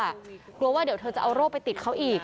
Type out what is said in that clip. กลัวว่าเดี๋ยวเธอจะเอาโรคไปติดเขาอีก